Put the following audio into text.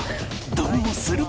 どうする？